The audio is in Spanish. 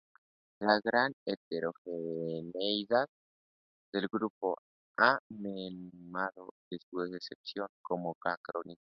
La gran heterogeneidad del grupo ha mermado su aceptación como acrónimo.